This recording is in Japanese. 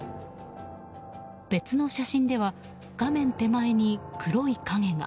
別の写真では画面手前に黒い影が。